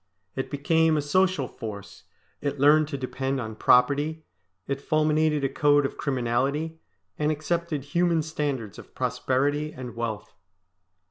It became a social force, it learned to depend on property, it fulminated a code of criminality, and accepted human standards of prosperity and wealth.